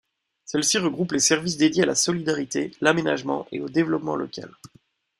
Celles-ci regroupent les services dédiés à la solidarité, l'aménagement et au développement local.